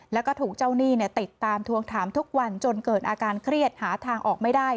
แล้วก็ถูกเจ้าหนี้ติดตามทวงถามทุกวันจนเกิดอาการเครียดหาทางออกไม่ได้